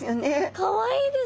かわいいです。